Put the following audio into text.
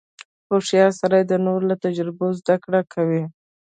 • هوښیار سړی د نورو له تجربو زدهکړه کوي.